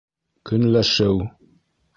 Көнләшеү